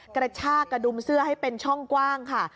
กระชากกระดุมเสื้อให้เป็นช่องกว้างค่ะ